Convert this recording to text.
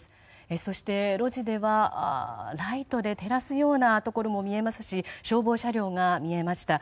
そして、路地では、ライトで照らすようなところも見えますし消防車両も見えました。